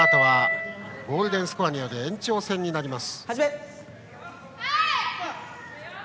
ゴールデンスコアによる延長戦になります。